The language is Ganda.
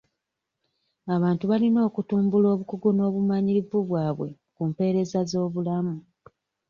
Abantu balina okutumbula obukugu n'obumanyirivu bwabwe ku mpeereza z'obulamu.